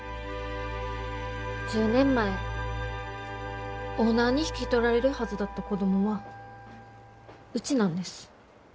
１０年前オーナーに引き取られるはずだった子供はうちなんです。